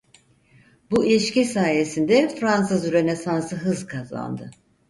Bu ilişki sayesinde Fransız rönesansı hız kazandı.